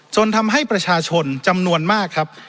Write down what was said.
ทำให้ประชาชนจำนวนมากครับ